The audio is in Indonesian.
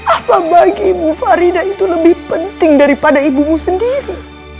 apa bagimu farida itu lebih penting daripada ibumu sendiri